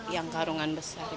yang karungan besar gitu